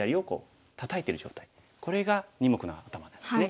これが二目のアタマなんですね。